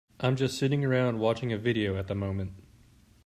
I'm just sitting around watching a video at the moment.